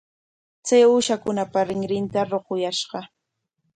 Chay uushakunapa rinrinta ruquyashqa.